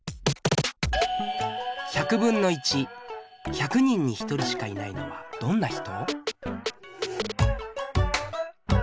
１００人に１人しかいないのはどんな人？